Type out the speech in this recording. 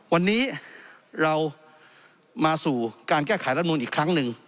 วันนี้เรามาสู่การแก้ไขรัฐมนูลอีกครั้งหนึ่ง